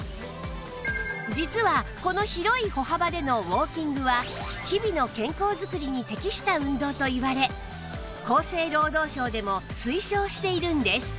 実はこの広い歩幅でのウォーキングは日々の健康づくりに適した運動といわれ厚生労働省でも推奨しているんです